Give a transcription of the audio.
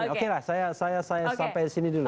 oke lah saya sampai sini dulu